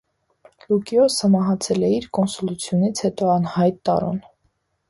Լուկիոսը մահացել է իր կոնսուլությունից հետո անհայտ տարուն։